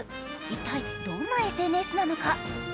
一体どんなＳＮＳなのか。